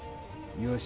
よし。